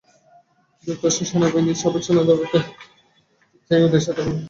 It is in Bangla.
যুক্তরাষ্ট্রের সেনাবাহিনীর সাবেক সেনানায়কদের চেয়েও দেশে থাকা অবৈধ অভিবাসীরা বেশি সুবিধা পায়।